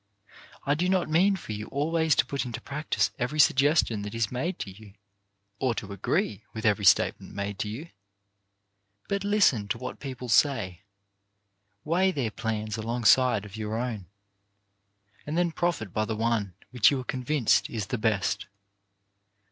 I do not mean for you always to put into practice every sugges tion that is made to you, or to agree with every statement made to you ; but listen to what people say, weigh their plans alongside of your own, and then profit by the one which you are convinced is the best.